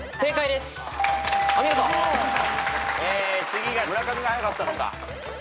次が村上が早かったのか。